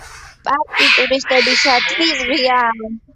პარკი ტურისტებისათვის ღიაა.